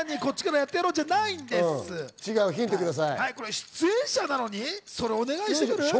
出演者なのにそれお願いしてくる？